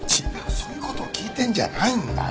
そういう事を聞いてんじゃないんだよ！